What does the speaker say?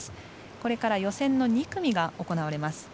これから予選の２組が行われます。